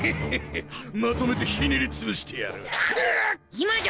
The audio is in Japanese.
今だ！